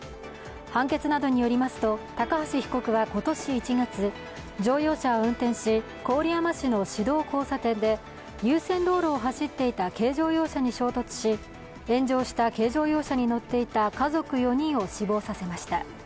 判決などによりますと、高橋被告は今年１月、乗用車を運転し、郡山市の市道交差点で優先道路を走っていた軽乗用車に衝突し、炎上した軽乗用車に乗っていた家族４人を死亡させました。